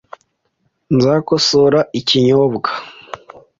Nzakosora ikinyobwa .